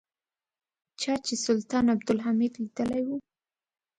چا چې سلطان عبدالحمید لیدلی و.